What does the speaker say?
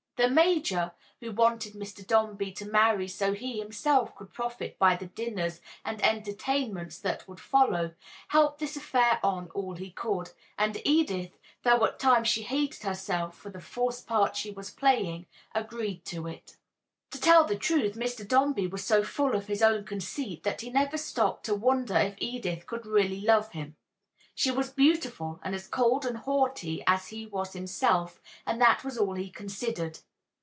The major (who wanted Mr. Dombey to marry so he himself could profit by the dinners and entertainments that would follow) helped this affair on all he could, and Edith, though at times she hated herself for the false part she was playing, agreed to it. To tell the truth, Mr. Dombey was so full of his own conceit that he never stopped to wonder if Edith could really love him. She was beautiful and as cold and haughty as he was himself, and that was all he considered.